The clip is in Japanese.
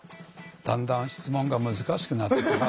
だんだん質問が難しくなってきましたね。